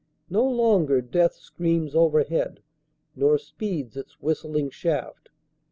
No longer death screams overhead nor speeds its whistling shaft.